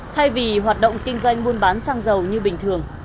thay vì hoạt động kinh doanh buôn bán xăng dầu như bình thường